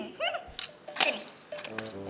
hmm pakai nih